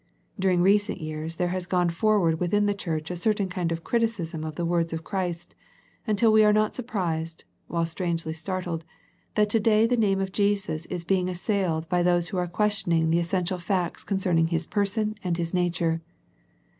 Dur ing recent years there has gone forward within the Church a certain kind of criticism of the words of Christ until we are not surprised, while strangely startled, that to day the name of Jesus is being assailed by those who are questioning the essential facts concerning His Person and His nature.